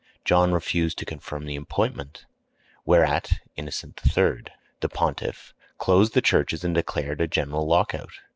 John refused to confirm the appointment, whereat Innocent III., the pontiff, closed the churches and declared a general lock out.